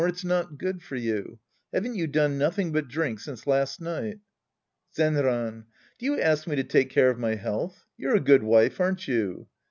It's not good for you. Haven't you done notliing but drink since last night ? Zenran. Do you ask me to take care of my health ? You're a good wife, aren't you